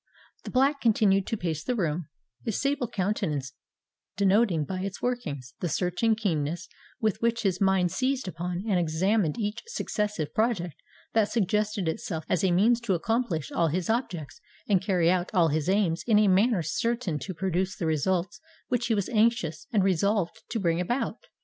The Black continued to pace the room, his sable countenance denoting by its workings the searching keenness with which his mind seized upon and examined each successive project that suggested itself as a means to accomplish all his objects and carry out all his aims in a manner certain to produce the results which he was anxious and resolved to bring about.